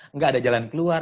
enggak ada jalan keluar